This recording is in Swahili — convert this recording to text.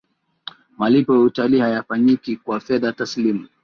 malipo ya utalii hayafanyiki kwa fedha taslimu